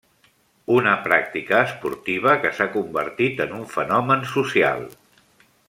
Una pràctica esportiva que s'ha convertit en un fenomen social.